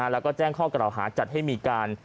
แล้วก็แจ้งข้อกล่าวหาจัดให้มีการ